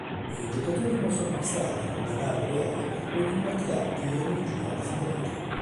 I giocatori possono acquistare con denaro reale ogni quantità di energia desiderata.